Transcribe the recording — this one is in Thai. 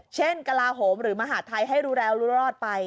เช่นกระลาโฮมหรือมหาดไทยให้รู้รอดไป